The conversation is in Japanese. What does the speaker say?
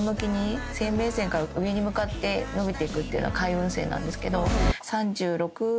生命線から上に向かって伸びていくっていうのは開運線なんですけど。